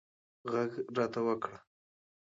غږ راته وکړه